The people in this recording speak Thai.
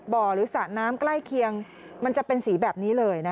หรือสระน้ำใกล้เคียงมันจะเป็นสีแบบนี้เลยนะคะ